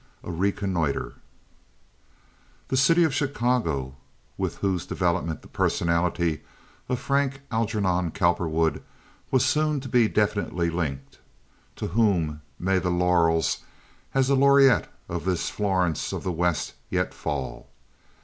A Reconnoiter The city of Chicago, with whose development the personality of Frank Algernon Cowperwood was soon to be definitely linked! To whom may the laurels as laureate of this Florence of the West yet fall?